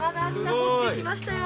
掘ってきましたよ。